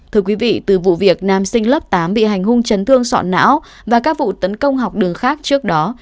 thưa quý vị từ vụ việc nam sinh lớp tám bị hành hung chấn thương sọn não và các vụ tấn công học đường khác trước đó